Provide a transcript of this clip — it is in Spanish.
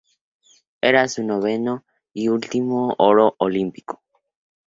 Era su noveno y último oro olímpico.